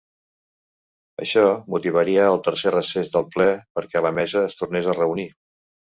Això motivaria el tercer recés del ple perquè la mesa es tornés a reunir.